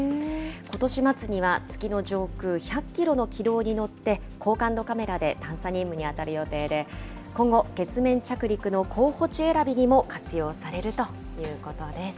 ことし末には、月の上空１００キロの軌道に乗って、高感度カメラで探査任務に当たる予定で、今後、月面着陸の候補地選びにも活用されるということです。